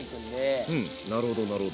なるほどなるほど。